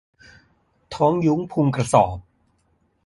ท้องยุ้งพุงกระสอบ